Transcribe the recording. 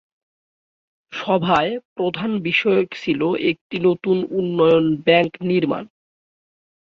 সভায় প্রধান বিষয় ছিল একটি নতুন উন্নয়ন ব্যাঙ্ক নির্মাণ।